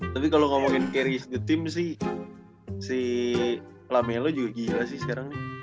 tapi kalau ngomongin carry satu tim sih si lamelo juga gila sih sekarang nih